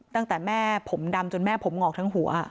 ตั้งแต่แม่ผมดำจนแม่ผมงอกทั้งหัว